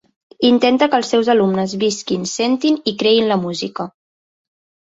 Intenta que els seus alumnes visquin, sentin i creïn la música.